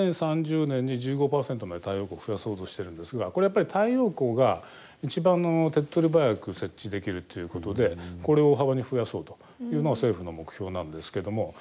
２０３０年に１５％まで太陽光を増やそうとしてるんですがこれやっぱり太陽光が一番手っとり早く設置できるということでこれを大幅に増やそうというのが政府の目標なんですけども。